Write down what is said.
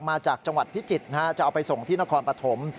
มาจากจังหวัดพิจิตรจะเอาไปส่งที่นครปฐม